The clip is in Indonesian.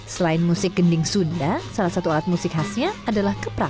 selain musik gending sunda salah satu alat musik khasnya adalah keprak